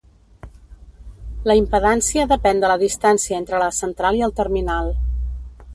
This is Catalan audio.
La impedància depèn de la distància entre la central i el terminal.